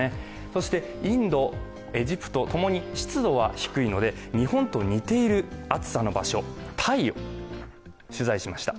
そして、インド、エジプトともに湿度は低いので日本と似ている暑さの場所、タイを取材しました。